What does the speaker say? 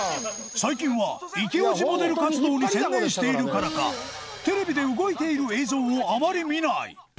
最近はイケおじモデル活動に専念しているからかテレビで動いている映像をあまり見ない